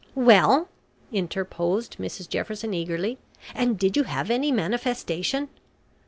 "Well," interposed Mrs Jefferson eagerly, "and did you have any manifestation?"